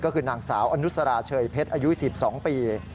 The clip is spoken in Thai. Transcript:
ก็คือนางสาวอนุสราเชยเพชรอายุ๑๒ปี